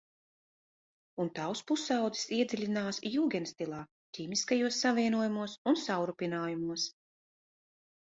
Un tavs pusaudzis iedziļinās jūgendstilā, ķīmiskajos savienojumos un savrupinājumos.